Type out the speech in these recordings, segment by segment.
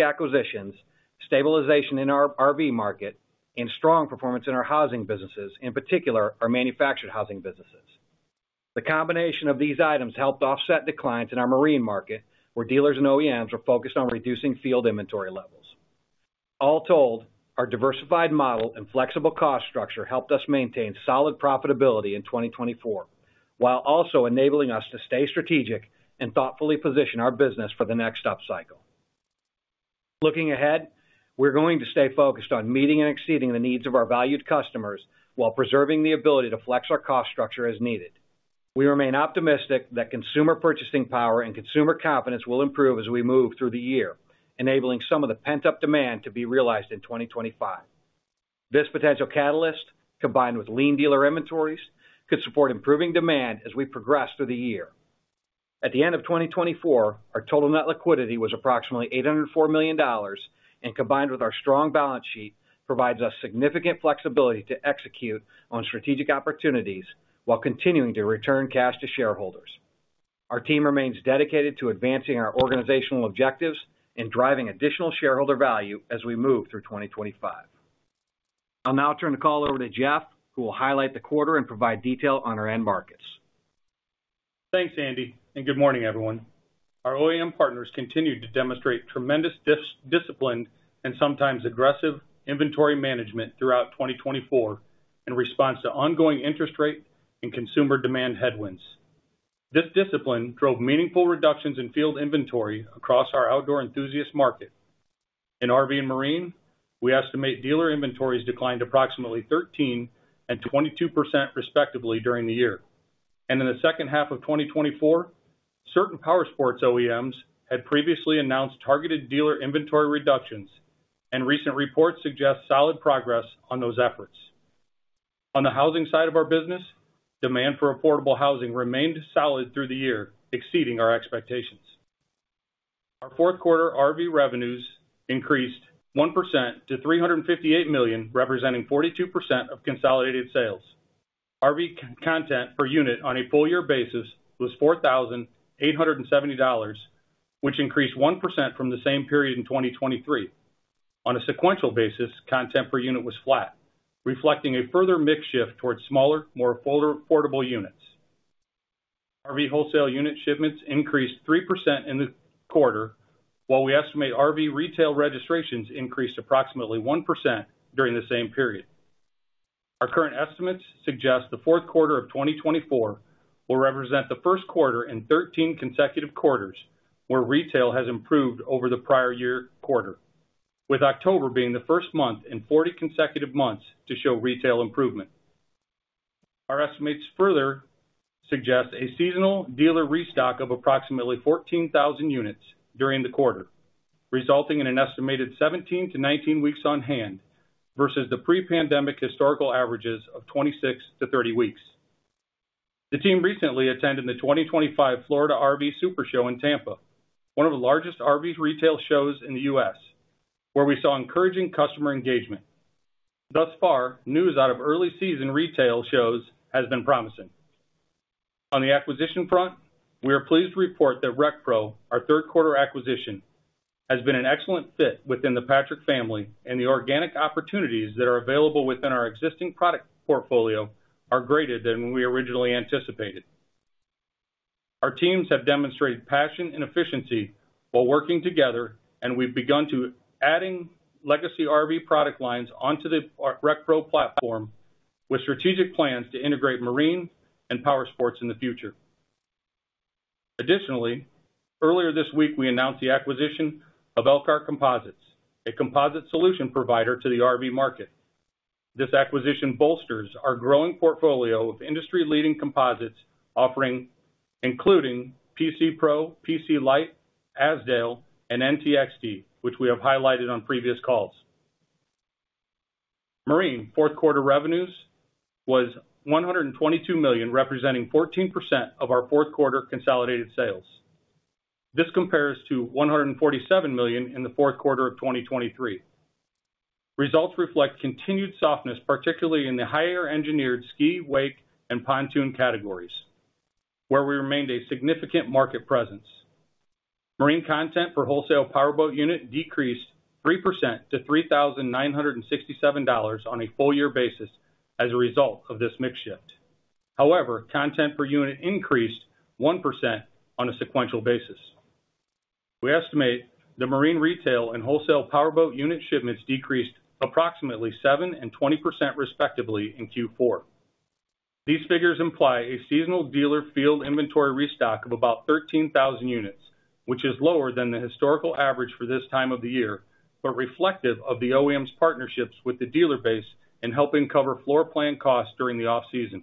Acquisitions, stabilization in our RV market, and strong performance in our housing businesses, in particular our manufactured housing businesses. The combination of these items helped offset declines in our marine market, where dealers and OEMs were focused on reducing field inventory levels. All told, our diversified model and flexible cost structure helped us maintain solid profitability in 2024, while also enabling us to stay strategic and thoughtfully position our business for the next cycle. Looking ahead, we're going to stay focused on meeting and exceeding the needs of our valued customers while preserving the ability to flex our cost structure as needed. We remain optimistic that consumer purchasing power and consumer confidence will improve as we move through the year, enabling some of the pent-up demand to be realized in 2025. This potential catalyst, combined with lean dealer inventories, could support improving demand as we progress through the year. At the end of 2024, our total net liquidity was approximately $804 million, and combined with our strong balance sheet, provides us significant flexibility to execute on strategic opportunities while continuing to return cash to shareholders. Our team remains dedicated to advancing our organizational objectives and driving additional shareholder value as we move through 2025. I'll now turn the call over to Jeff, who will highlight the quarter and provide detail on our end markets. Thanks, Andy, and good morning, everyone. Our OEM partners continued to demonstrate tremendous discipline and sometimes aggressive inventory management throughout 2024 in response to ongoing interest rate and consumer demand headwinds. This discipline drove meaningful reductions in field inventory across our outdoor enthusiast market. In RV and marine, we estimate dealer inventories declined approximately 13% and 22% respectively during the year, and in the second half of 2024, certain OEMs had previously announced targeted dealer inventory reductions, and recent reports suggest solid progress on those efforts. On the housing side of our business, demand for affordable housing remained solid through the year, exceeding our expectations. Our Q4 RV revenues increased 1% to $358 million, representing 42% of consolidated sales. RV content per unit on a full-year basis was $4,870, which increased 1% from the same period in 2023. On a sequential basis, content per unit was flat, reflecting a further mix shift towards smaller, more affordable units. RV wholesale unit shipments increased 3% in the quarter, while we estimate RV retail registrations increased approximately 1% during the same period. Our current estimates suggest the Q4 of 2024 will represent the Q1 in 13 consecutive quarters where retail has improved over the prior year quarter, with October being the first month in 40 consecutive months to show retail improvement. Our estimates further suggest a seasonal dealer restock of approximately 14,000 units during the quarter, resulting in an estimated 17 to 19 weeks on hand versus the pre-pandemic historical averages of 26 to 30 weeks. The team recently attended the 2025 Florida RV SuperShow in Tampa, one of the largest RV retail shows in the US, where we saw encouraging customer engagement. Thus far, news out of early season retail shows has been promising. On the acquisition front, we are pleased to report that RecPro, our Q3 acquisition, has been an excellent fit within the Patrick family and the organic opportunities that are available within our existing product portfolio are greater than we originally anticipated. Our teams have demonstrated passion and efficiency while working together, and we've begun adding legacy RV product lines onto the RecPro platform with strategic plans to integrate marine and powersports in the future. Additionally, earlier this week, we announced the acquisition of Elkhart Composites, a composite solution provider to the RV market. This acquisition bolsters our growing portfolio of industry-leading composites offering, including PC-Pro, PC-Lite, Azdel, and NTXT, which we have highlighted on previous calls. Marine Q4 revenues was $122 million, representing 14% of our Q4 consolidated sales. This compares to $147 million in the Q4 of 2023. Results reflect continued softness, particularly in the higher-engineered ski, wake, and pontoon categories, where we remained a significant market presence. Marine content per wholesale powerboat unit decreased 3% to $3,967 on a full-year basis as a result of this mix shift. However, content per unit increased 1% on a sequential basis. We estimate the marine retail and wholesale powerboat unit shipments decreased approximately 7% and 20% respectively in Q4. These figures imply a seasonal dealer field inventory restock of about 13,000 units, which is lower than the historical average for this time of the year, but reflective of the partnerships with the dealer base and helping cover floor plan costs during the offseason.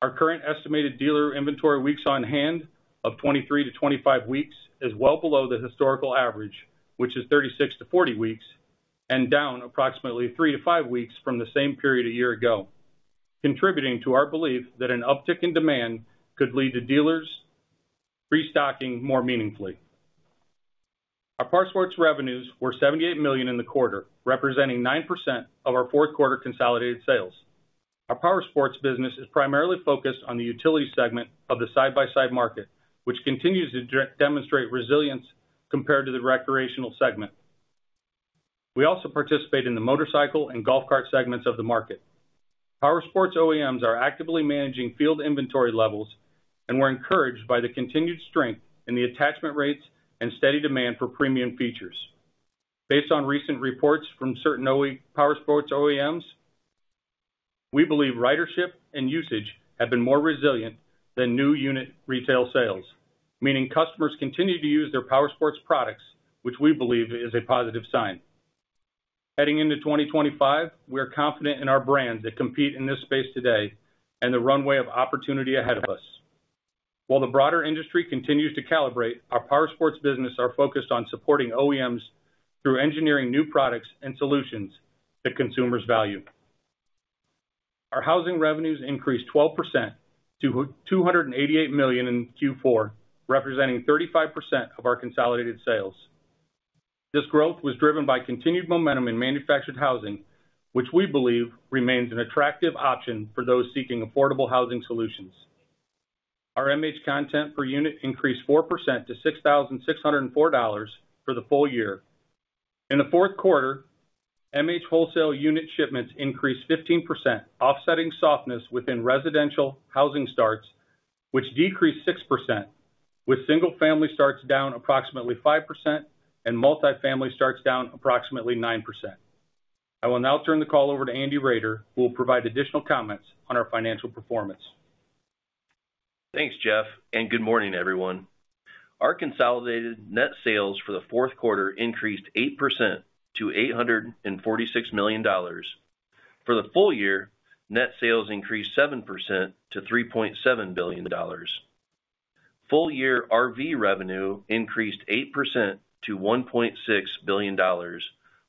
Our current estimated dealer inventory weeks on hand of 23 to 25 weeks is well below the historical average, which is 36 to 40 weeks, and down approximately 3 to 5 weeks from the same period a year ago, contributing to our belief that an uptick in demand could lead to dealers restocking more meaningfully. Our powersports revenues were $78 million in the quarter, representing 9% of our Q4 consolidated sales. Our powersports business is primarily focused on the utility segment of the side-by-side market, which continues to demonstrate resilience compared to the recreational segment. We also participate in the motorcycle and golf cart segments of the market. powersports OEMs are actively managing field inventory levels, and we're encouraged by the continued strength in the attachment rates and steady demand for premium features. Based on recent reports from certain powersports OEMs, we believe ridership and usage have been more resilient than new unit retail sales, meaning customers continue to use their powersports products, which we believe is a positive sign. Heading into 2025, we are confident in our brands that compete in this space today and the runway of opportunity ahead of us. While the broader industry continues to calibrate, our powersports business is focused on supporting OEMs through engineering new products and solutions that consumers value. Our housing revenues increased 12% to $288 million in Q4, representing 35% of our consolidated sales. This growth was driven by continued momentum in manufactured housing, which we believe remains an attractive option for those seeking affordable housing solutions. Our MH content per unit increased 4% to $6,604 for the full year. In the Q4, MH wholesale unit shipments increased 15%, offsetting softness within residential housing starts, which decreased 6%, with single-family starts down approximately 5% and multi-family starts down approximately 9%. I will now turn the call over to Andy Roeder, who will provide additional comments on our financial performance. Thanks, Jeff, and good morning, everyone. Our consolidated net sales for the Q4 increased 8% to $846 million. For the full year, net sales increased 7% to $3.7 billion. Full-year RV revenue increased 8% to $1.6 billion,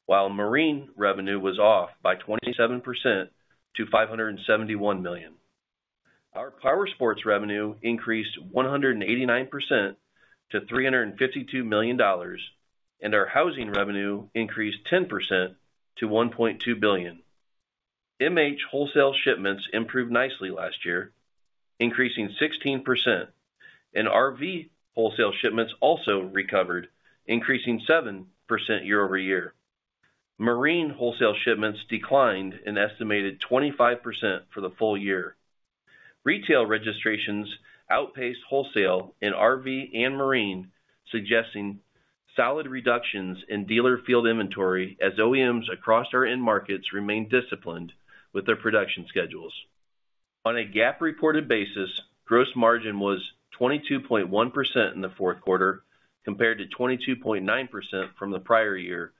while marine revenue was off by 27% to $571 million. Our powersports revenue increased 189% to $352 million, and our housing revenue increased 10% to $1.2 billion. MH wholesale shipments improved nicely last year, increasing 16%, and RV wholesale shipments also recovered, increasing 7% year over year. Marine wholesale shipments declined an estimated 25% for the full year. Retail registrations outpaced wholesale in RV and marine, suggesting solid reductions in dealer field inventory as OEMs across our end markets remain disciplined with their production schedules. On a GAAP-reported basis, gross margin was 22.1% in the Q4 compared to 22.9% from the prior year,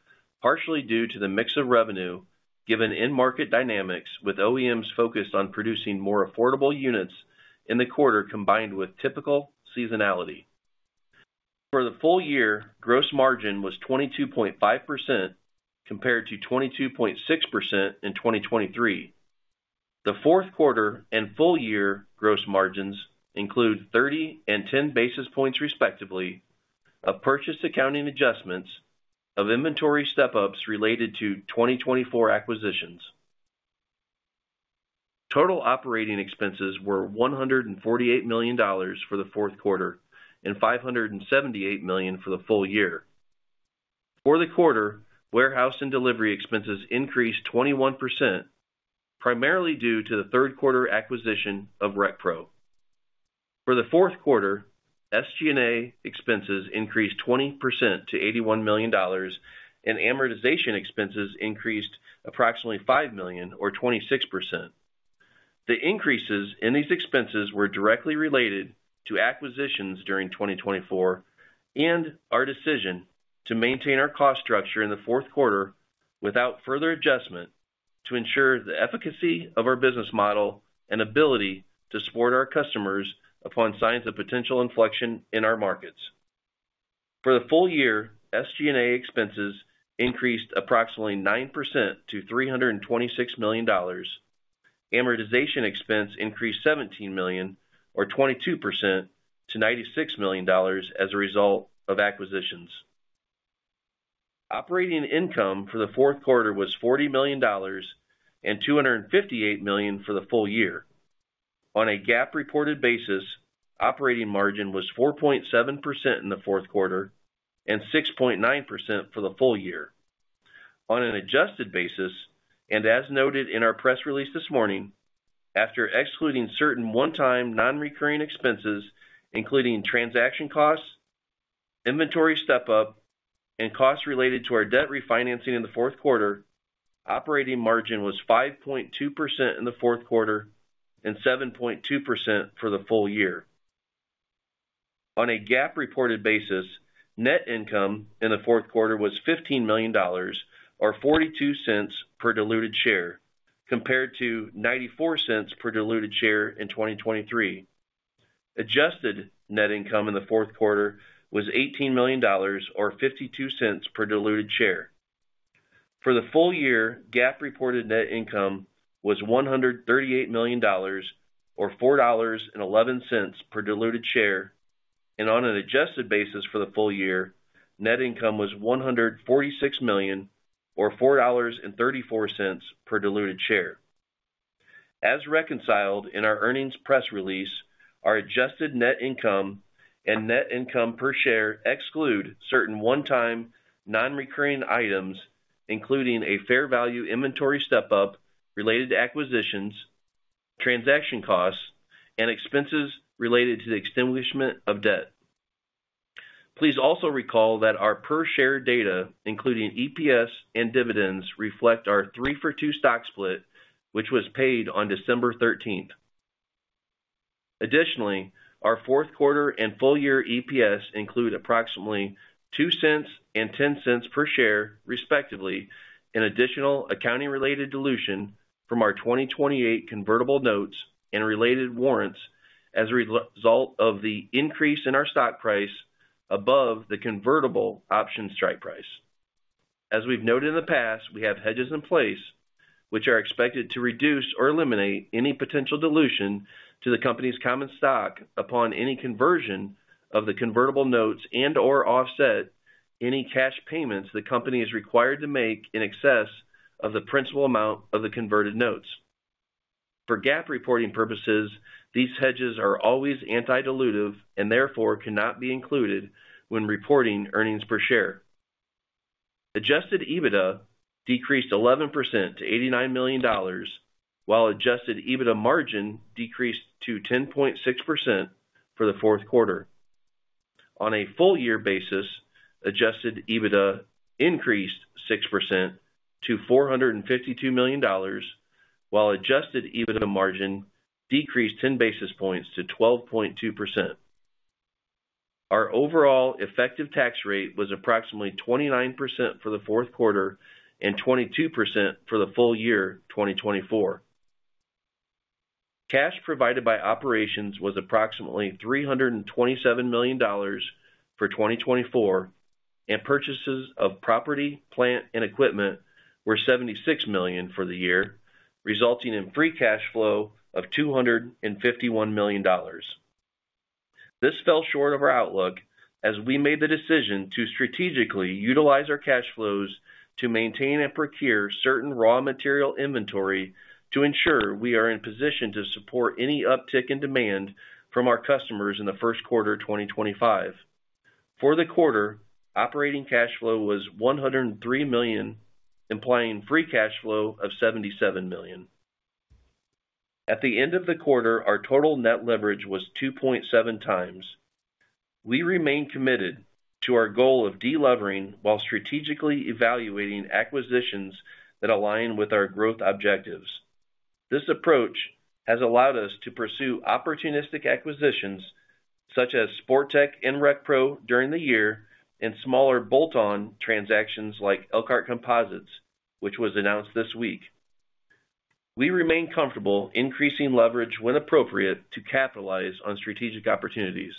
partially due to the mix of revenue given in-market dynamics with OEMs focused on producing more affordable units in the quarter combined with typical seasonality. For the full year, gross margin was 22.5% compared to 22.6% in 2023. The Q4 and full-year gross margins include 30 and 10 basis points respectively of purchase accounting adjustments of inventory step-ups related to 2024 acquisitions. Total operating expenses were $148 million for the Q4 and $578 million for the full year. For the quarter, warehouse and delivery expenses increased 21%, primarily due to the Q3 acquisition of RecPro. For the Q4, SG&A expenses increased 20% to $81 million, and amortization expenses increased approximately $5 million, or 26%. The increases in these expenses were directly related to acquisitions during 2024 and our decision to maintain our cost structure in the Q4 without further adjustment to ensure the efficacy of our business model and ability to support our customers upon signs of potential inflection in our markets. For the full year, SG&A expenses increased approximately 9% to $326 million. Amortization expense increased $17 million, or 22% to $96 million as a result of acquisitions. Operating income for the Q4 was $40 million and $258 million for the full year. On a GAAP-reported basis, operating margin was 4.7% in the Q4 and 6.9% for the full year. On an adjusted basis, and as noted in our press release this morning, after excluding certain one-time non-recurring expenses, including transaction costs, inventory step-up, and costs related to our debt refinancing in the Q4, operating margin was 5.2% in the Q4 and 7.2% for the full year. On a GAAP-reported basis, net income in the Q4 was $15 million, or $0.42 per diluted share, compared to $0.94 per diluted share in 2023. Adjusted net income in the Q4 was $18 million, or $0.52 per diluted share. For the full year, GAAP-reported net income was $138 million, or $4.11 per diluted share, and on an adjusted basis for the full year, net income was $146 million, or $4.34 per diluted share. As reconciled in our earnings press release, our adjusted net income and net income per share exclude certain one-time non-recurring items, including a fair value inventory step-up related to acquisitions, transaction costs, and expenses related to the extinguishment of debt. Please also recall that our per-share data, including EPS and dividends, reflect our three-for-two stock split, which was paid on 13 December. Additionally, our Q4 and full-year EPS include approximately $0.02 and $0.10 per share, respectively, in additional accounting-related dilution from our 2028 convertible notes and related warrants as a result of the increase in our stock price above the convertible option strike price. As we've noted in the past, we have hedges in place, which are expected to reduce or eliminate any potential dilution to the company's common stock upon any conversion of the convertible notes and/or offset any cash payments the company is required to make in excess of the principal amount of the converted notes. For GAAP reporting purposes, these hedges are always antidilutive and therefore cannot be included when reporting earnings per share. Adjusted EBITDA decreased 11% to $89 million, while adjusted EBITDA margin decreased to 10.6% for the Q4. On a full-year basis, adjusted EBITDA increased 6% to $452 million, while adjusted EBITDA margin decreased 10 basis points to 12.2%. Our overall effective tax rate was approximately 29% for the Q4 and 22% for the full year 2024. Cash provided by operations was approximately $327 million for 2024, and purchases of property, plant, and equipment were $76 million for the year, resulting in free cash flow of $251 million. This fell short of our outlook as we made the decision to strategically utilize our cash flows to maintain and procure certain raw material inventory to ensure we are in position to support any uptick in demand from our customers in the Q1 of 2025. For the quarter, operating cash flow was $103 million, implying free cash flow of $77 million. At the end of the quarter, our total net leverage was 2.7 times. We remain committed to our goal of delevering while strategically evaluating acquisitions that align with our growth objectives. This approach has allowed us to pursue opportunistic acquisitions such as Sportech and RecPro during the year and smaller bolt-on transactions like Elkhart Composites, which was announced this week. We remain comfortable increasing leverage when appropriate to capitalize on strategic opportunities.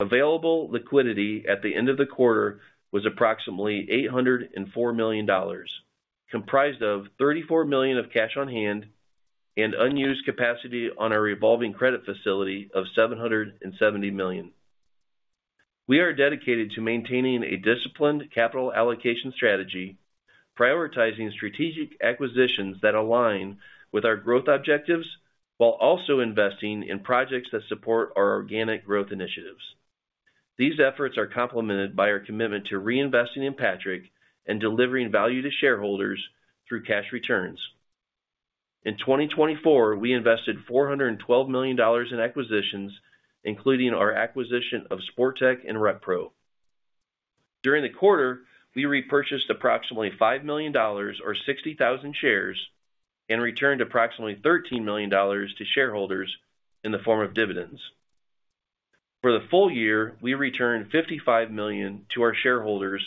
Available liquidity at the end of the quarter was approximately $804 million, comprised of $34 million of cash on hand and unused capacity on our revolving credit facility of $770 million. We are dedicated to maintaining a disciplined capital allocation strategy, prioritizing strategic acquisitions that align with our growth objectives while also investing in projects that support our organic growth initiatives. These efforts are complemented by our commitment to reinvesting in Patrick and delivering value to shareholders through cash returns. In 2024, we invested $412 million in acquisitions, including our acquisition of Sportech and RecPro. During the quarter, we repurchased approximately $5 million, or 60,000 shares, and returned approximately $13 million to shareholders in the form of dividends. For the full year, we returned $55 million to our shareholders,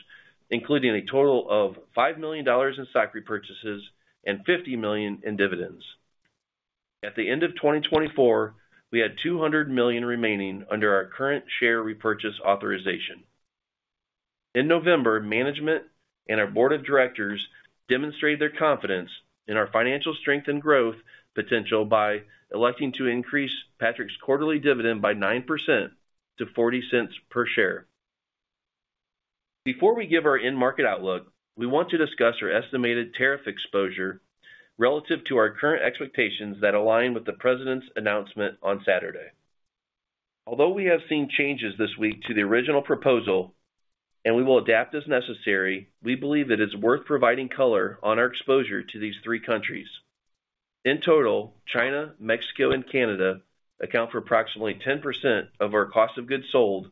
including a total of $5 million in stock repurchases and $50 million in dividends. At the end of 2024, we had $200 million remaining under our current share repurchase authorization. In November, management and our board of directors demonstrated their confidence in our financial strength and growth potential by electing to increase Patrick's quarterly dividend by 9% to $0.40 per share. Before we give our in-market outlook, we want to discuss our estimated tariff exposure relative to our current expectations that align with the the the President's announcement on Saturday. Although we have seen changes this week to the original proposal and we will adapt as necessary, we believe it is worth providing color on our exposure to these three countries. In total, China, Mexico, and Canada account for approximately 10% of our cost of goods sold,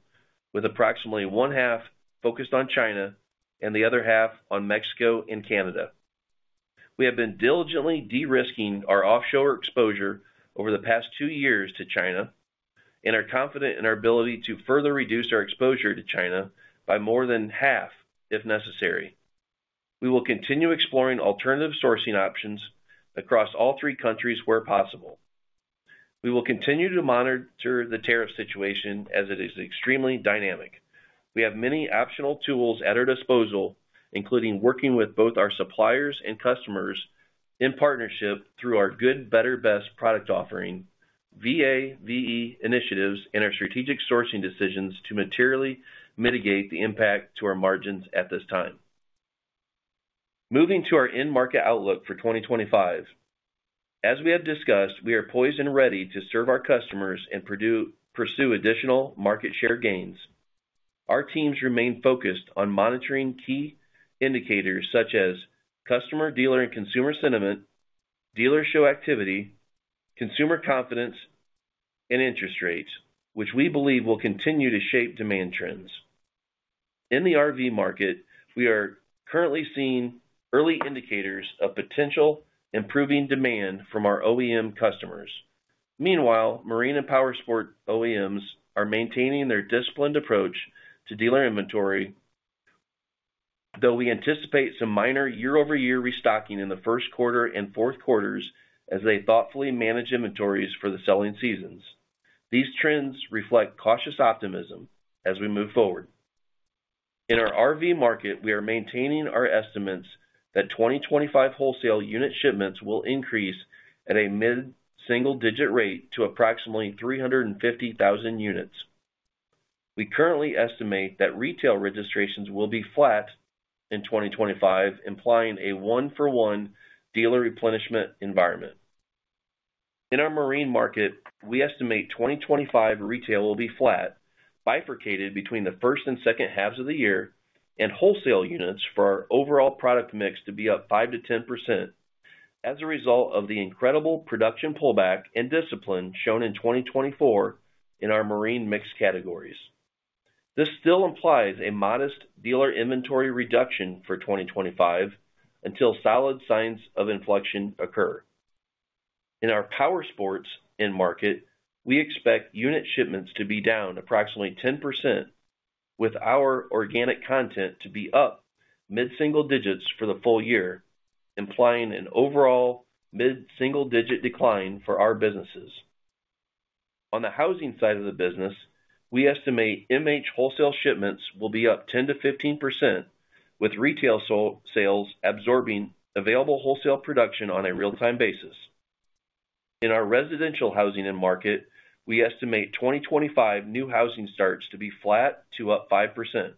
with approximately one half focused on China and the other half on Mexico and Canada. We have been diligently de-risking our offshore exposure over the past two years to China and are confident in our ability to further reduce our exposure to China by more than half if necessary. We will continue exploring alternative sourcing options across all three countries where possible. We will continue to monitor the tariff situation as it is extremely dynamic. We have many optional tools at our disposal, including working with both our suppliers and customers in partnership through our Good, Better, Best product offering, VA/VE initiatives, and our strategic sourcing decisions to materially mitigate the impact to our margins at this time. Moving to our in-market outlook for 2025. As we have discussed, we are poised and ready to serve our customers and pursue additional market share gains. Our teams remain focused on monitoring key indicators such as customer, dealer, and consumer sentiment, dealership activity, consumer confidence, and interest rates, which we believe will continue to shape demand trends. In the RV market, we are currently seeing early indicators of potential improving demand from our OEM customers. Meanwhile, Marine and powersports OEMs are maintaining their disciplined approach to dealer inventory, though we anticipate some minor year-over-year restocking in the Q1 and Q4 as they thoughtfully manage inventories for the selling seasons. These trends reflect cautious optimism as we move forward. In our RV market, we are maintaining our estimates that 2025 wholesale unit shipments will increase at a mid-single-digit rate to approximately 350,000 units. We currently estimate that retail registrations will be flat in 2025, implying a one-for-one dealer replenishment environment. In our marine market, we estimate 2025 retail will be flat, bifurcated between the first and second halves of the year, and wholesale units for our overall product mix to be up 5% to 10% as a result of the incredible production pullback and discipline shown in 2024 in our marine mix categories. This still implies a modest dealer inventory reduction for 2025 until solid signs of inflection occur. In our powersports end market, we expect unit shipments to be down approximately 10%, with our organic content to be up mid-single digits for the full year, implying an overall mid-single-digit decline for our businesses. On the housing side of the business, we estimate MH wholesale shipments will be up 10% to 15%, with retail sales absorbing available wholesale production on a real-time basis. In our residential housing end market, we estimate 2025 new housing starts to be flat to up 5%.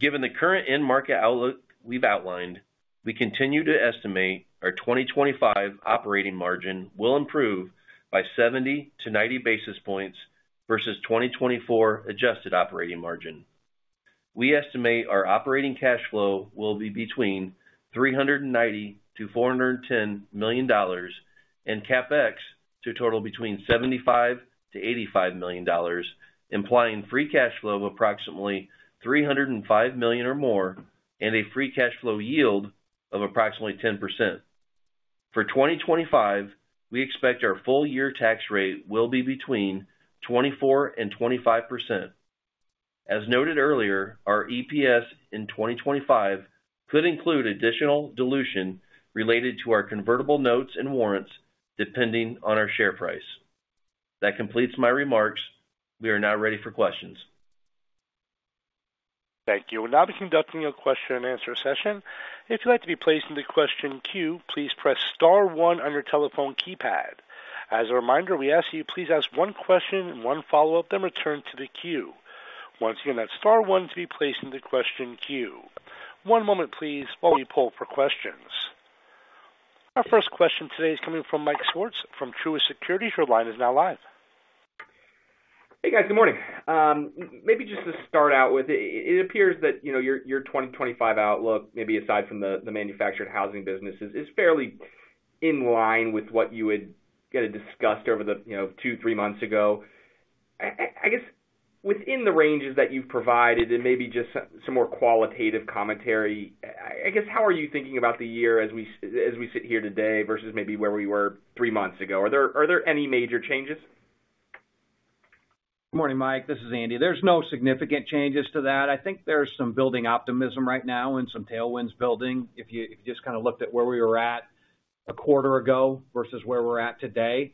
Given the current in-market outlook we've outlined, we continue to estimate our 2025 operating margin will improve by 70 to 90 basis points versus 2024 adjusted operating margin. We estimate our operating cash flow will be between $390 to $410 million and CapEx to total between $75 to $85 million, implying free cash flow of approximately $305 million or more and a free cash flow yield of approximately 10%. For 2025, we expect our full-year tax rate will be between 24% and 25%. As noted earlier, our EPS in 2025 could include additional dilution related to our convertible notes and warrants, depending on our share price. That completes my remarks. We are now ready for question. Thank you. We'll now be conducting a question-and-answer session. If you'd like to be placed in the question queue, please press Star one on your telephone keypad. As a reminder, we ask you please ask one question, one follow-up, then return to the queue. Once again, that's Star one to be placed in the question queue. One moment, please, while we poll for questions. Our first question today is coming from Mike Swartz from Truist Securities. Your line is now live. Hey, guys. Good morning. Maybe just to start out with, it appears that your 2025 outlook, maybe aside from the manufactured housing businesses, is fairly in line with what you had discussed over the two, three months ago. I guess within the ranges that you've provided and maybe just some more qualitative commentary, I guess, how are you thinking about the year as we sit here today versus maybe where we were three months ago? Are there any major changes? Good morning, Mike. This is Andy. There's no significant changes to that. I think there's some building optimism right now and some tailwinds building. If you just kind of looked at where we were at a quarter ago versus where we're at today,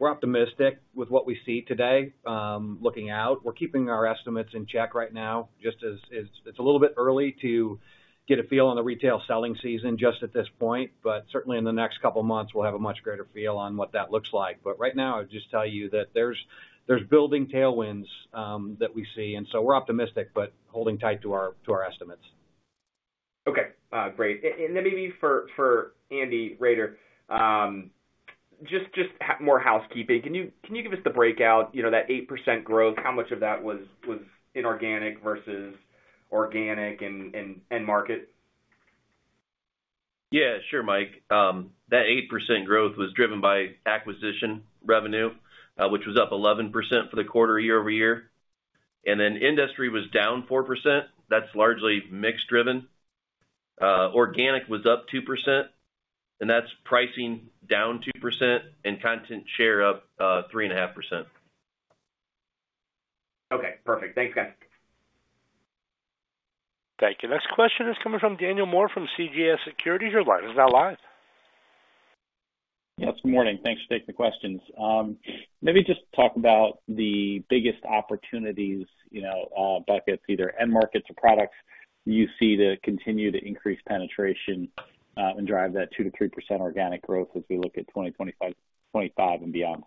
we're optimistic with what we see today looking out. We're keeping our estimates in check right now. It's a little bit early to get a feel on the retail selling season just at this point, but certainly in the next couple of months, we'll have a much greater feel on what that looks like. But right now, I would just tell you that there's building tailwinds that we see. And so we're optimistic but holding tight to our estimates. Okay. Great. And then maybe for Andy Roeder, just more housekeeping. Can you give us the breakout, that 8% growth, how much of that was inorganic versus organic and market? Yeah. Sure, Mike. That 8% growth was driven by acquisition revenue, which was up 11% for the quarter year over year. And then industry was down 4%. That's largely mix driven. Organic was up 2%, and that's pricing down 2% and content share up 3.5%. Okay. Perfect. Thanks, guys. Thank you. Next question is coming from Daniel Moore from CJS Securities. Your line is now live. Yes. Good morning. Thanks for taking the questions. Maybe just talk about the biggest opportunities buckets, either end markets or products, you see to continue to increase penetration and drive that 2%-3% organic growth as we look at 2025 and beyond.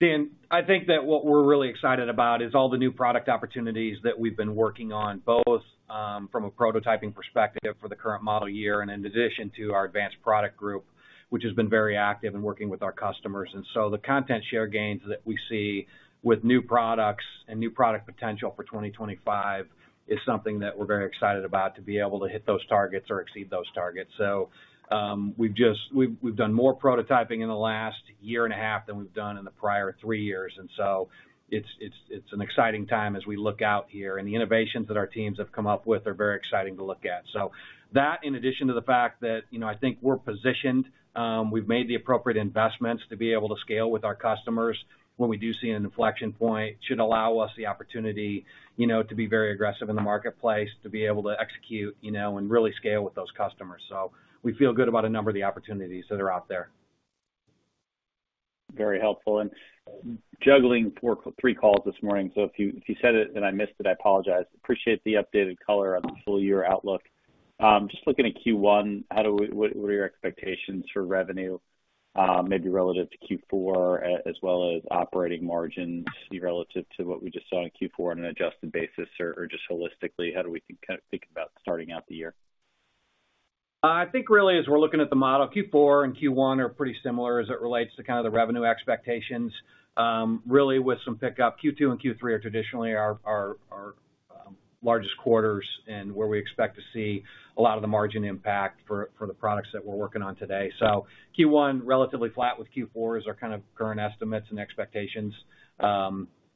And I think that what we're really excited about is all the new product opportunities that we've been working on, both from a prototyping perspective for the current model year and in addition to our advanced product group, which has been very active in working with our customers. And so the content share gains that we see with new products and new product potential for 2025 is something that we're very excited about to be able to hit those targets or exceed those targets. So we've done more prototyping in the last year and a half than we've done in the prior three years. And so it's an exciting time as we look out here, and the innovations that our teams have come up with are very exciting to look at. So that, in addition to the fact that I think we're positioned, we've made the appropriate investments to be able to scale with our customers when we do see an inflection point, should allow us the opportunity to be very aggressive in the marketplace, to be able to execute and really scale with those customers. So we feel good about a number of the opportunities that are out there. Very helpful. And juggling three calls this morning, so if you said it and I missed it, I apologize. Appreciate the updated color of the full-year outlook. Just looking at Q1, what are your expectations for revenue, maybe relative to Q4 as well as operating margins relative to what we just saw in Q4 on an adjusted basis or just holistically? How do we think about starting out the year? I think really, as we're looking at the model, Q4 and Q1 are pretty similar as it relates to kind of the revenue expectations. Really, with some pickup, Q2 and Q3 are traditionally our largest quarters and where we expect to see a lot of the margin impact for the products that we're working on today. So Q1 relatively flat with Q4 as our kind of current estimates and expectations,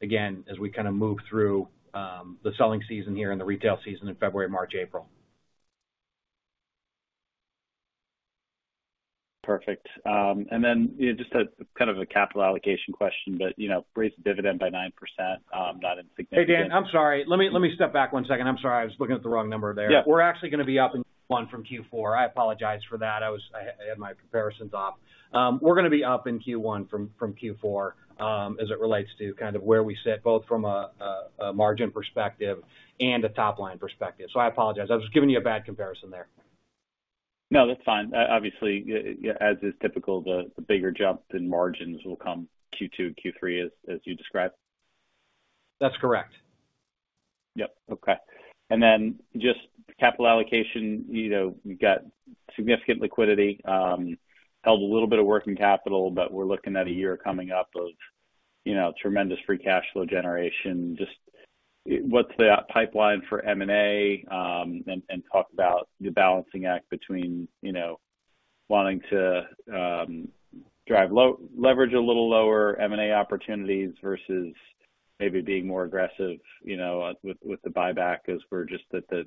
again, as we kind of move through the selling season here and the retail season in February, March, April. Perfect. And then just kind of a capital allocation question, but raise dividend by 9%, not insignificant. Hey, Dan. I'm sorry. Let me step back one second. I'm sorry. I was looking at the wrong number there. We're actually going to be up in Q1 from Q4. I apologize for that. I had my comparisons off. We're going to be up in Q1 from Q4 as it relates to kind of where we sit, both from a margin perspective and a top-line perspective. So I apologize. I was just giving you a bad comparison there. No, that's fine. Obviously, as is typical, the bigger jump in margins will come Q2 and Q3, as you described. That's correct. Yep. Okay. And then just capital allocation. We've got significant liquidity, held a little bit of working capital, but we're looking at a year coming up of tremendous free cash flow generation. Just what's the pipeline for M&A and talk about the balancing act between wanting to leverage a little lower M&A opportunities versus maybe being more aggressive with the buyback as we're just at the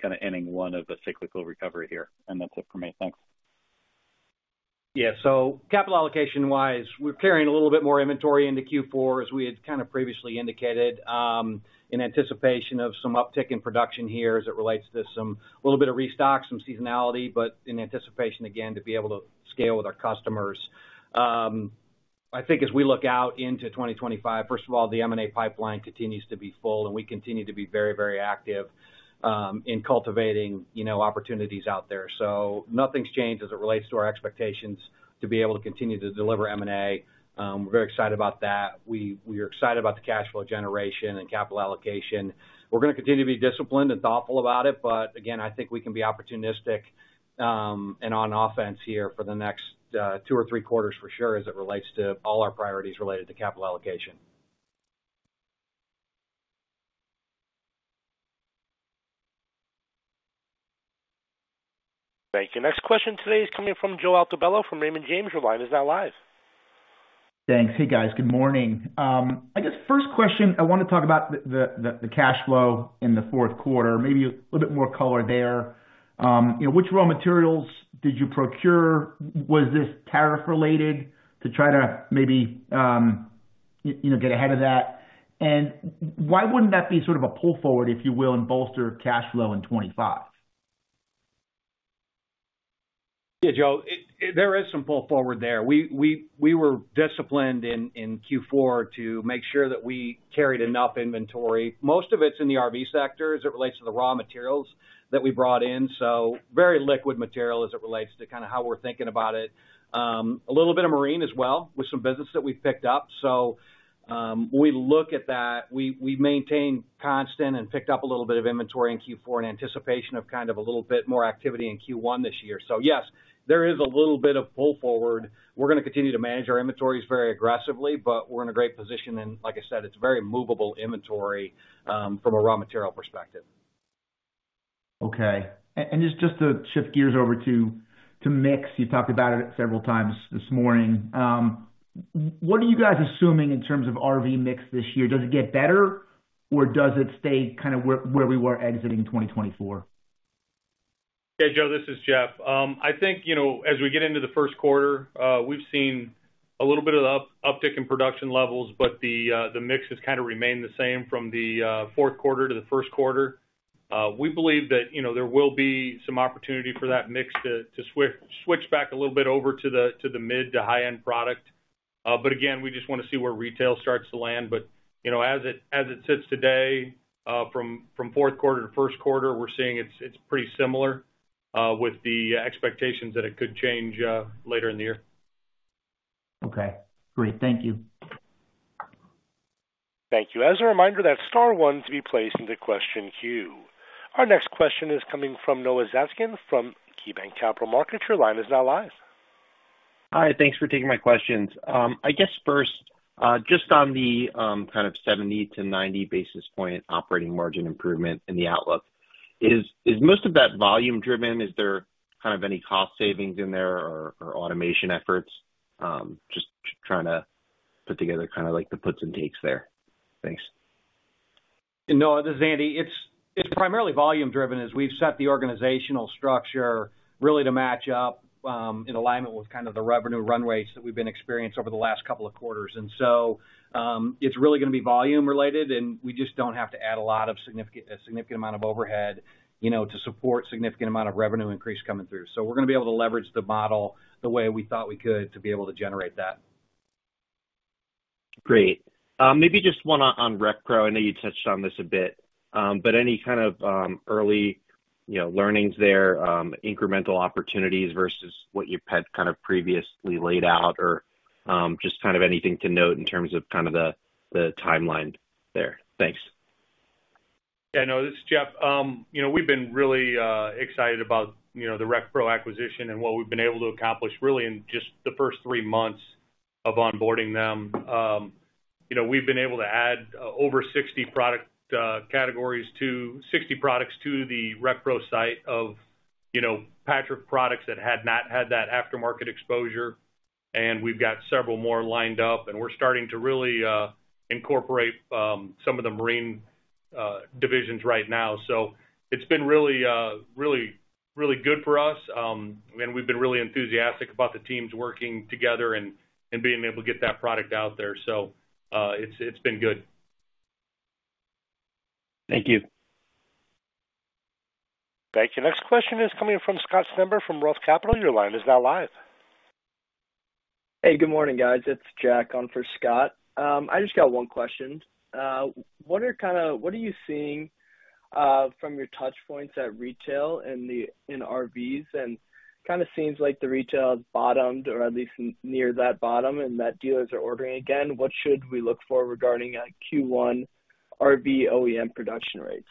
kind of ending one of a cyclical recovery here. And that's it for me. Thanks. Yeah. So capital allocation-wise, we're carrying a little bit more inventory into Q4, as we had kind of previously indicated, in anticipation of some uptick in production here as it relates to some little bit of restock, some seasonality, but in anticipation, again, to be able to scale with our customers. I think as we look out into 2025, first of all, the M&A pipeline continues to be full, and we continue to be very, very active in cultivating opportunities out there. So nothing's changed as it relates to our expectations to be able to continue to deliver M&A. We're very excited about that. We are excited about the cash flow generation and capital allocation. We're going to continue to be disciplined and thoughtful about it, but again, I think we can be opportunistic and on offense here for the next two or three quarters for sure as it relates to all our priorities related to capital allocation. Thank you. Next question today is coming from Joseph Altobello from Raymond James. Your line is now live. Thanks. Hey, guys. Good morning.I guess first question, I want to talk about the cash flow in the Q4, maybe a little bit more color there. Which raw materials did you procure? Was this tariff-related to try to maybe get ahead of that? And why wouldn't that be sort of a pull forward, if you will, and bolster cash flow in 2025? Yeah, Joe, there is some pull forward there. We were disciplined in Q4 to make sure that we carried enough inventory. Most of it's in the RV sector as it relates to the raw materials that we brought in. So very liquid material as it relates to kind of how we're thinking about it. A little bit of marine as well with some business that we've picked up. So we look at that. We maintain constant and picked up a little bit of inventory in Q4 in anticipation of kind of a little bit more activity in Q1 this year. So yes, there is a little bit of pull forward. We're going to continue to manage our inventories very aggressively, but we're in a great position. And like I said, it's very movable inventory from a raw material perspective. Okay. And just to shift gears over to mix, you've talked about it several times this morning. What are you guys assuming in terms of RV mix this year? Does it get better, or does it stay kind of where we were exiting 2024? Hey, Joe, this is Jeff. I think as we get into the Q1, we've seen a little bit of uptick in production levels, but the mix has kind of remained the same from the Q4 to the Q1. We believe that there will be some opportunity for that mix to switch back a little bit over to the mid to high-end product. But again, we just want to see where retail starts to land. But as it sits today, from Q4 to Q1, we're seeing it's pretty similar with the expectations that it could change later in the year. Okay. Great. Thank you. Thank you. As a reminder, that's Star one to be placed into question queue. Our next question is coming from Noah Zatzkin from KeyBanc Capital Markets. Your line is now live. Hi. Thanks for taking my questions. I guess first, just on the kind of 70 to 90 basis points operating margin improvement in the outlook, is most of that volume-driven? Is there kind of any cost savings in there or automation efforts? Just trying to put together kind of the puts and takes there. Thanks. No, this is Andy. It's primarily volume-driven as we've set the organizational structure really to match up in alignment with kind of the revenue runways that we've been experiencing over the last couple of quarters. And so it's really going to be volume-related, and we just don't have to add a lot of significant amount of overhead to support significant amount of revenue increase coming through. So we're going to be able to leverage the model the way we thought we could to be able to generate that. Great. Maybe just one on RecPro. I know you touched on this a bit, but any kind of early learnings there, incremental opportunities versus what you had kind of previously laid out, or just kind of anything to note in terms of kind of the timeline there? Thanks. Yeah. No, this is Jeff. We've been really excited about the RecPro acquisition and what we've been able to accomplish really in just the first three months of onboarding them. We've been able to add over 60 products to the RecPro site of Patrick products that had not had that aftermarket exposure. And we've got several more lined up, and we're starting to really incorporate some of the marine divisions right now. So it's been really, really, really good for us. And we've been really enthusiastic about the teams working together and being able to get that product out there. So it's been good. Thank you. Thank you. Next question is coming from Scott Stember from Roth Capital. Your line is now live. Hey, good morning, guys. It's Jack on for Scott. I just got one question. What are kind of you seeing from your touchpoints at retail and in RVs? And kind of seems like the retail has bottomed or at least near that bottom and that dealers are ordering again. What should we look for regarding Q1 RV OEM production rates?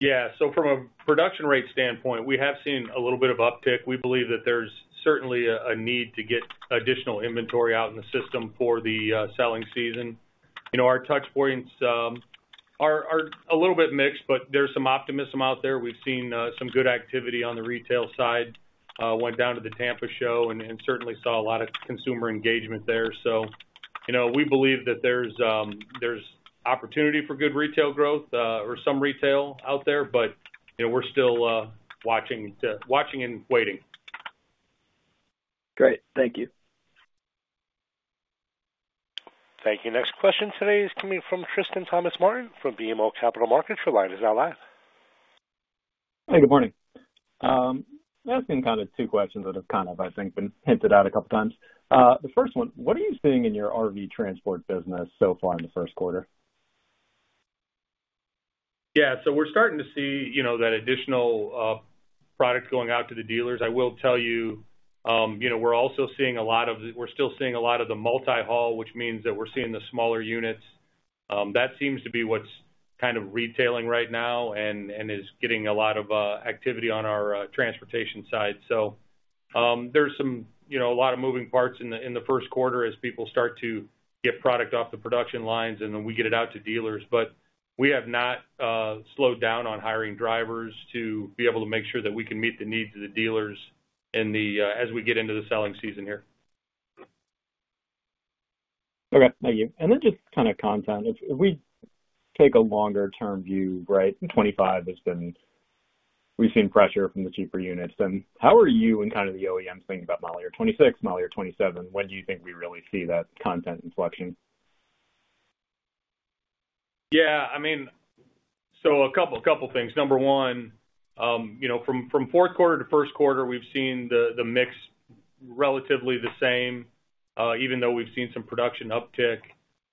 Yeah. So from a production rate standpoint, we have seen a little bit of uptick. We believe that there's certainly a need to get additional inventory out in the system for the selling season. Our touchpoints are a little bit mixed, but there's some optimism out there. We've seen some good activity on the retail side, went down to the Tampa show, and certainly saw a lot of consumer engagement there. We believe that there's opportunity for good retail growth or some retail out there, but we're still watching and waiting. Great. Thank you. Thank you. Next question today is coming from Tristan Thomas-Martin from BMO Capital Markets. Your line is now live. Hey, good morning. That's been kind of two questions that have kind of, I think, been hinted at a couple of times. The first one, what are you seeing in your RV transport business so far in the Q1? Yeah. So we're starting to see that additional product going out to the dealers. I will tell you, we're also seeing a lot of. We're still seeing a lot of the multi-haul, which means that we're seeing the smaller units. That seems to be what's kind of retailing right now and is getting a lot of activity on our transportation side. So there's a lot of moving parts in the Q1 as people start to get product off the production lines, and then we get it out to dealers. But we have not slowed down on hiring drivers to be able to make sure that we can meet the needs of the dealers as we get into the selling season here. Okay. Thank you. And then just kind of content. If we take a longer-term view, right, 2025 has been we've seen pressure from the cheaper units. And how are you and kind of the OEMs thinking about model year 2026, model year 2027? When do you think we really see that content inflection? Yeah. I mean, so a couple of things. Number one, from Q4 to Q1, we've seen the mix relatively the same, even though we've seen some production uptick.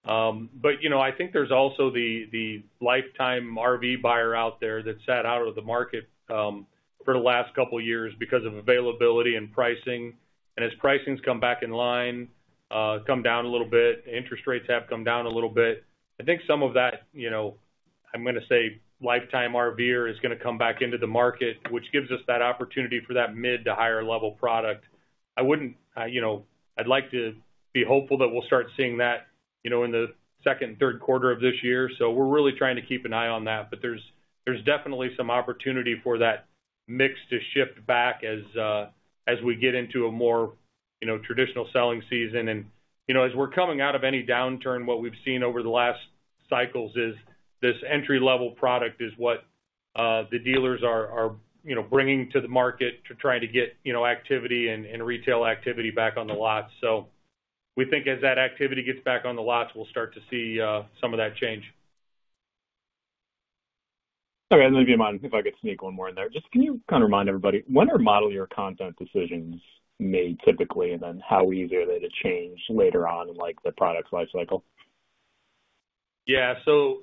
But I think there's also the lifetime RV buyer out there that sat out of the market for the last couple of years because of availability and pricing. And as pricings come back in line, come down a little bit, interest rates have come down a little bit. I think some of that, I'm going to say, lifetime RVer is going to come back into the market, which gives us that opportunity for that mid to higher-level product. I'd like to be hopeful that we'll start seeing that in the second and Q3 of this year. So we're really trying to keep an eye on that, but there's definitely some opportunity for that mix to shift back as we get into a more traditional selling season. As we're coming out of any downturn, what we've seen over the last cycles is this entry-level product is what the dealers are bringing to the market to try to get activity and retail activity back on the lots. So we think as that activity gets back on the lots, we'll start to see some of that change. Okay, let me keep in mind if I get to sneak one more in there. Just, can you kind of remind everybody, when are model year content decisions made typically, and then how easy are they to change later on in the product's lifecycle? Yeah. So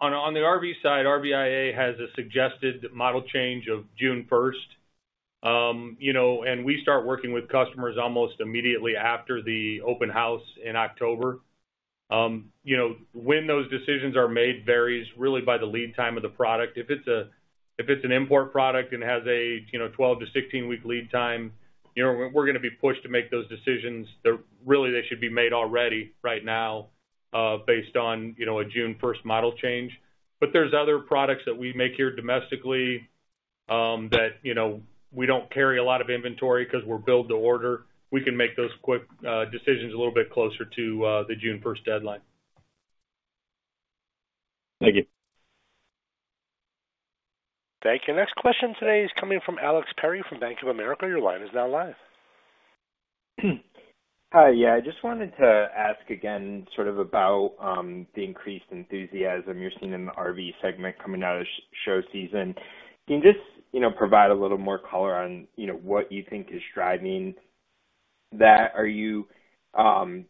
on the RV side, RVIA has a suggested model change of June 1st. We start working with customers almost immediately after the open house in October. When those decisions are made varies really by the lead time of the product. If it's an import product and has a 12 to 16 week lead time, we're going to be pushed to make those decisions. Really, they should be made already right now based on a 1 June model change. But there's other products that we make here domestically that we don't carry a lot of inventory because we're billed to order. We can make those quick decisions a little bit closer to the 1 June deadline. Thank you. Thank you. Next question today is coming from Alex Perry from Bank of America. Your line is now live. Hi. Yeah. I just wanted to ask again sort of about the increased enthusiasm you're seeing in the RV segment coming out of show season. Can you just provide a little more color on what you think is driving that? Do you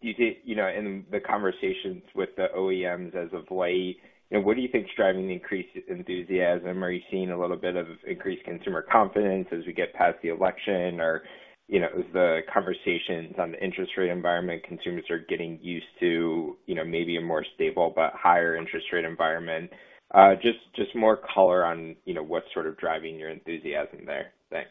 think in the conversations with the OEMs as of late, what do you think's driving the increased enthusiasm? Are you seeing a little bit of increased consumer confidence as we get past the election, or is the conversations on the interest rate environment, consumers are getting used to maybe a more stable but higher interest rate environment? Just more color on what's sort of driving your enthusiasm there. Thanks.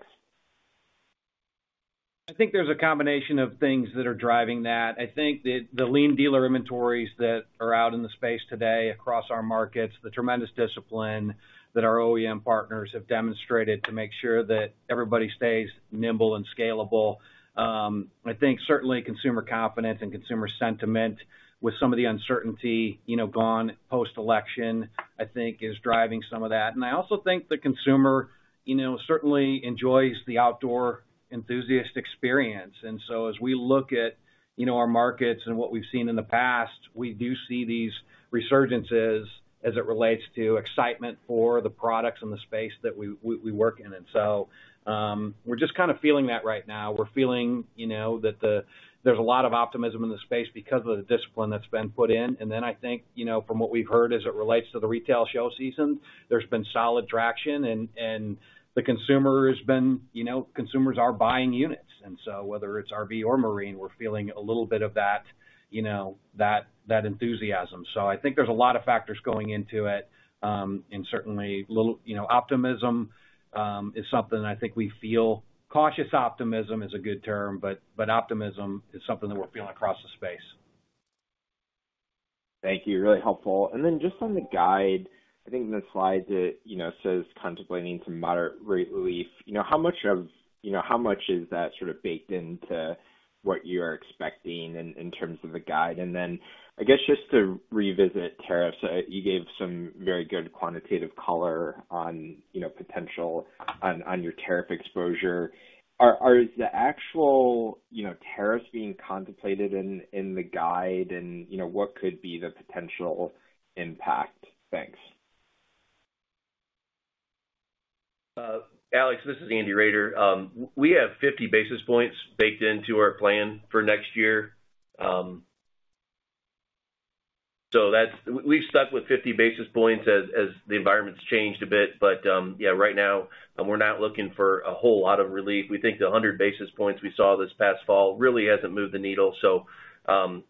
I think there's a combination of things that are driving that. I think that the lean dealer inventories that are out in the space today across our markets, the tremendous discipline that our OEM partners have demonstrated to make sure that everybody stays nimble and scalable. I think certainly consumer confidence and consumer sentiment with some of the uncertainty gone post-election, I think, is driving some of that. And I also think the consumer certainly enjoys the outdoor enthusiast experience. And so as we look at our markets and what we've seen in the past, we do see these resurgences as it relates to excitement for the products in the space that we work in. And so we're just kind of feeling that right now. We're feeling that there's a lot of optimism in the space because of the discipline that's been put in. And then I think from what we've heard as it relates to the retail show season, there's been solid traction, and consumers are buying units. And so whether it's RV or marine, we're feeling a little bit of that enthusiasm. So I think there's a lot of factors going into it. And certainly, optimism is something I think we feel. Cautious optimism is a good term, but optimism is something that we're feeling across the space. Thank you. Really helpful. And then just on the guide, I think the slide that says contemplating some moderate relief, how much of how much is that sort of baked into what you are expecting in terms of the guide? And then I guess just to revisit tariffs, you gave some very good quantitative color on potential on your tariff exposure. Are the actual tariffs being contemplated in the guide, and what could be the potential impact? Thanks. Alex, this is Andy Roeder. We have 50 basis points baked into our plan for next year. So we've stuck with 50 basis points as the environment's changed a bit. But yeah, right now, we're not looking for a whole lot of relief. We think the 100 basis points we saw this past fall really hasn't moved the needle. So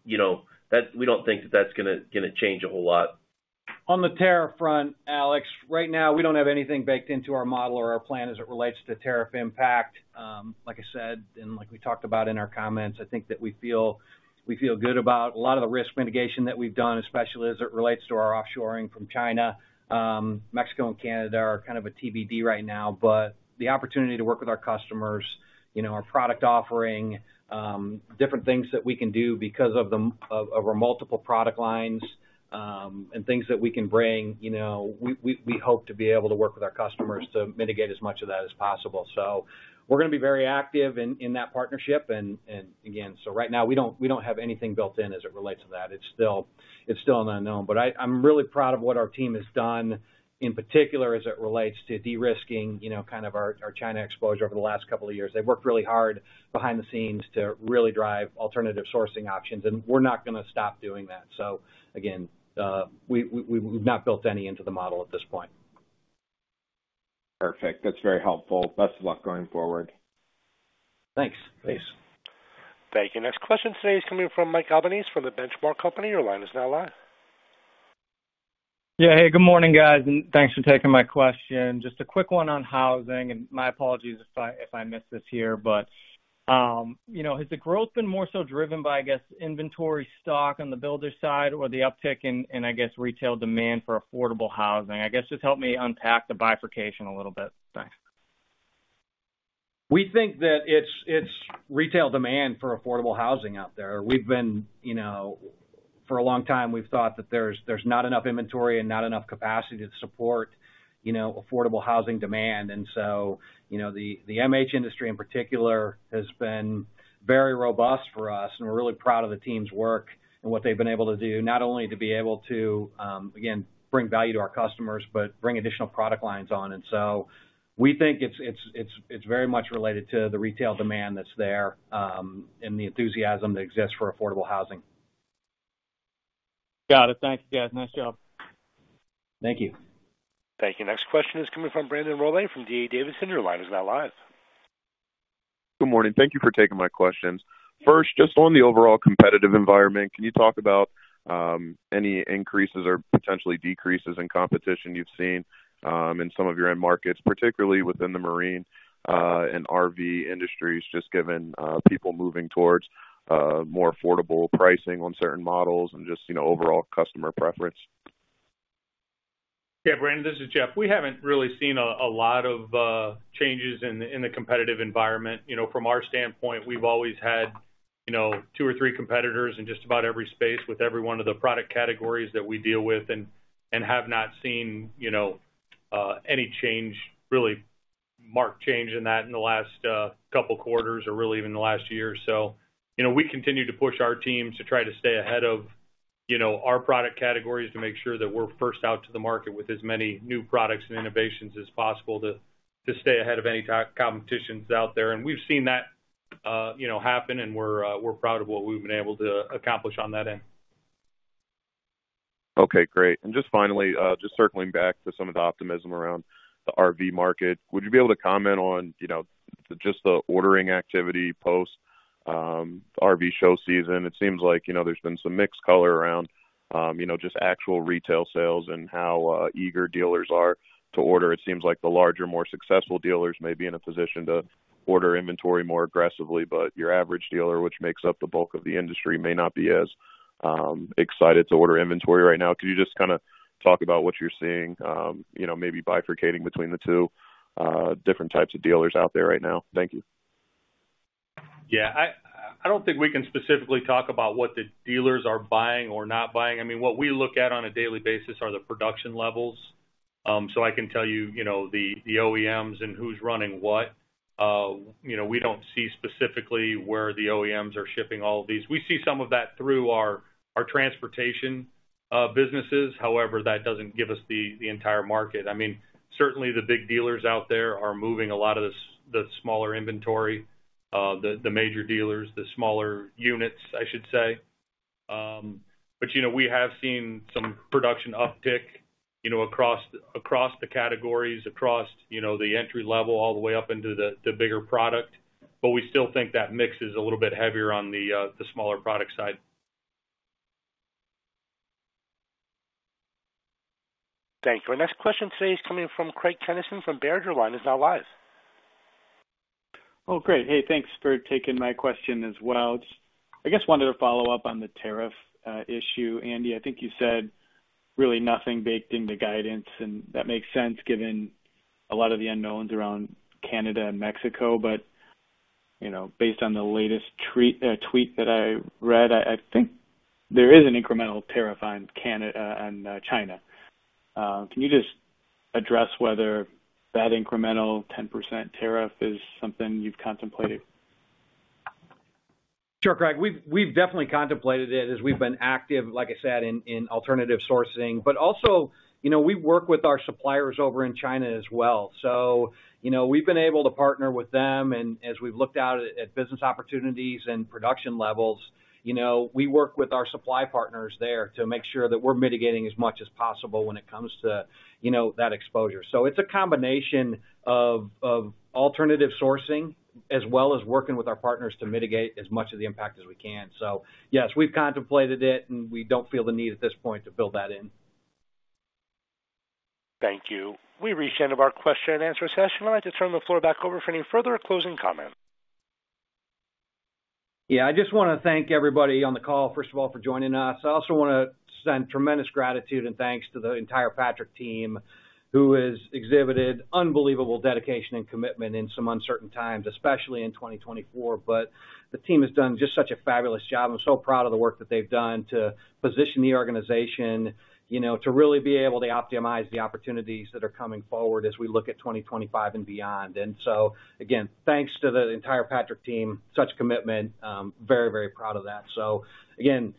we don't think that that's going to change a whole lot. On the tariff front, Alex, right now, we don't have anything baked into our model or our plan as it relates to tariff impact. Like I said, and like we talked about in our comments, I think that we feel good about a lot of the risk mitigation that we've done, especially as it relates to our offshoring from China. Mexico and Canada are kind of a TBD right now. But the opportunity to work with our customers, our product offering, different things that we can do because of our multiple product lines and things that we can bring, we hope to be able to work with our customers to mitigate as much of that as possible. So we're going to be very active in that partnership. And again, so right now, we don't have anything built in as it relates to that. It's still an unknown. But I'm really proud of what our team has done in particular as it relates to de-risking kind of our China exposure over the last couple of years. They've worked really hard behind the scenes to really drive alternative sourcing options, and we're not going to stop doing that. So again, we've not built any into the model at this point. Perfect. That's very helpful. Best of luck going forward. Thanks. Peace. Thank you. Next question today is coming from Mike Albanese from The Benchmark Company. Your line is now live. Yeah. Hey, good morning, guys. And thanks for taking my question. Just a quick one on housing, and my apologies if I missed this here. But has the growth been more so driven by, I guess, inventory stock on the builder side or the uptick in, I guess, retail demand for affordable housing? I guess just help me unpack the bifurcation a little bit. Thanks. We think that it's retail demand for affordable housing out there. For a long time, we've thought that there's not enough inventory and not enough capacity to support affordable housing demand. And so the MH industry in particular has been very robust for us, and we're really proud of the team's work and what they've been able to do, not only to be able to, again, bring value to our customers, but bring additional product lines on. And so we think it's very much related to the retail demand that's there and the enthusiasm that exists for affordable housing. Got it. Thank you, guys. Nice job. Thank you. Thank you. Next question is coming from Brandon Rollé from D.A. Davidson. Your line is now live. Good morning. Thank you for taking my questions. First, just on the overall competitive environment, can you talk about any increases or potentially decreases in competition you've seen in some of your end markets, particularly within the marine and RV industries, just given people moving towards more affordable pricing on certain models and just overall customer preference? Yeah. Brandon, this is Jeff. We haven't really seen a lot of changes in the competitive environment. From our standpoint, we've always had two or three competitors in just about every space with every one of the product categories that we deal with and have not seen any change, really marked change in that in the last couple of quarters or really even the last year. So we continue to push our teams to try to stay ahead of our product categories to make sure that we're first out to the market with as many new products and innovations as possible to stay ahead of any competitions out there. And we've seen that happen, and we're proud of what we've been able to accomplish on that end. Okay. Great. And just finally, just circling back to some of the optimism around the RV market, would you be able to comment on just the ordering activity post-RV show season? It seems like there's been some mixed color around just actual retail sales and how eager dealers are to order. It seems like the larger, more successful dealers may be in a position to order inventory more aggressively, but your average dealer, which makes up the bulk of the industry, may not be as excited to order inventory right now. Could you just kind of talk about what you're seeing, maybe bifurcating between the two different types of dealers out there right now? Thank you. Yeah. I don't think we can specifically talk about what the dealers are buying or not buying. I mean, what we look at on a daily basis are the production levels. So I can tell you the OEMs and who's running what. We don't see specifically where the OEMs are shipping all of these. We see some of that through our transportation businesses. However, that doesn't give us the entire market. I mean, certainly, the big dealers out there are moving a lot of the smaller inventory, the major dealers, the smaller units, I should say. But we have seen some production uptick across the categories, across the entry level, all the way up into the bigger product. But we still think that mix is a little bit heavier on the smaller product side. Thank you. Our next question today is coming from Craig Kennison from Baird. He's now live. Oh, great. Hey, thanks for taking my question as well. I guess wanted to follow up on the tariff issue. Andy, I think you said really nothing baked into guidance, and that makes sense given a lot of the unknowns around Canada and Mexico. But based on the latest tweet that I read, I think there is an incremental tariff on China. Can you just address whether that incremental 10% tariff is something you've contemplated? Sure, Craig. We've definitely contemplated it as we've been active, like I said, in alternative sourcing. But also, we work with our suppliers over in China as well. So we've been able to partner with them. And as we've looked out at business opportunities and production levels, we work with our supply partners there to make sure that we're mitigating as much as possible when it comes to that exposure. So it's a combination of alternative sourcing as well as working with our partners to mitigate as much of the impact as we can. So yes, we've contemplated it, and we don't feel the need at this point to build that in. Thank you. We reached the end of our question and answer session. I'd like to turn the floor back over for any further closing comments. Yeah. I just want to thank everybody on the call, first of all, for joining us. I also want to send tremendous gratitude and thanks to the entire Patrick team, who has exhibited unbelievable dedication and commitment in some uncertain times, especially in 2024. But the team has done just such a fabulous job. I'm so proud of the work that they've done to position the organization to really be able to optimize the opportunities that are coming forward as we look at 2025 and beyond. And so again, thanks to the entire Patrick team, such commitment, very, very proud of that. So again,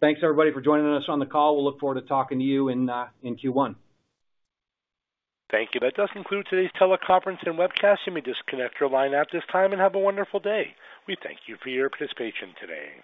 thanks everybody for joining us on the call. We'll look forward to talking to you in Q1. Thank you. That does conclude today's teleconference and webcast. You may disconnect your line at this time and have a wonderful day. We thank you for your participation today.